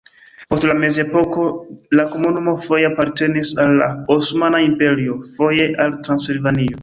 Post la mezepoko la komunumo foje apartenis al la Osmana Imperio, foje al Transilvanio.